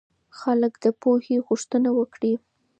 خلک به د پوهې غوښتنه وکړي.